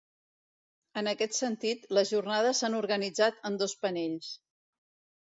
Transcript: En aquest sentit, les jornades s’han organitzat en dos panells.